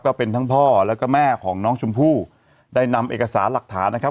ก็เป็นทั้งพ่อแล้วก็แม่ของน้องชมพู่ได้นำเอกสารหลักฐานนะครับ